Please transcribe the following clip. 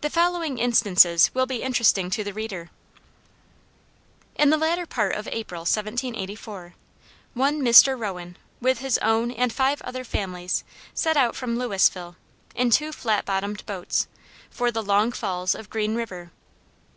The following instances will be interesting to the reader: In the latter part of April, 1784, one Mr. Rowan, with his own and five other families, set out from Louisville, in two flat bottomed boats, for the Long Falls of Green River.